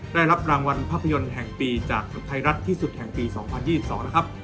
ได้รับรางวัลภาพยนตร์แห่งปีจากไทยรัฐที่สุดแห่งปี๒๐๒๒นะครับ